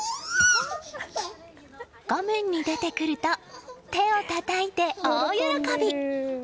画面に出てくると手をたたいて大喜び。